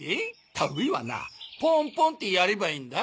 田植えはなポーンポンッてやればいいんだ。